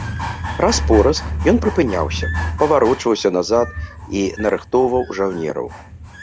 Раз-пораз ён прыпыняўся, паварочваўся назад і нарыхтоўваў жаўнераў.